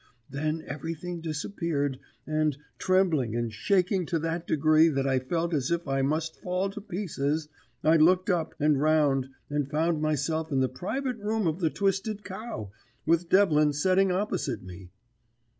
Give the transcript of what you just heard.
Then, everything disappeared, and, trembling and shaking to that degree that I felt as if I must fall to pieces, I looked up and round, and found myself in the private room of the Twisted Cow, with Devlin setting opposite me.